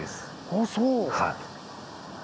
ああそう。